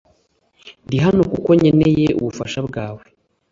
Ndi hano kuko nkeneye ubufasha bwawe .